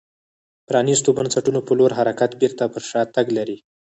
پرانیستو بنسټونو په لور حرکت بېرته پر شا تګ لري